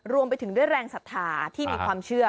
รวมไปถึงด้วยแรงศรัทธาที่มีความเชื่อ